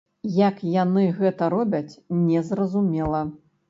Як яны гэта робяць, не зразумела.